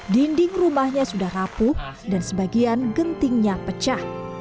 dinding rumahnya sudah rapuh dan sebagian gentingnya pecah